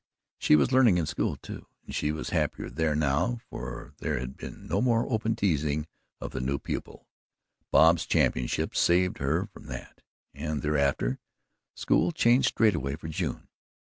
She was learning in school, too, and she was happier there now, for there had been no more open teasing of the new pupil. Bob's championship saved her from that, and, thereafter, school changed straightway for June.